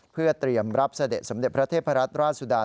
เพื่อเตรียมรับเสด็จสมเด็จพระเทพรัตนราชสุดา